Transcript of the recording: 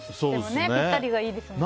ぴったりがいいですもんね。